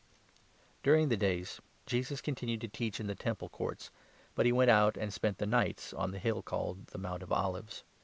During the days, Jesus continued to teach in the Temple 37 Courts, but he went out and spent the nights on the hill called the ' Mount of Olives.'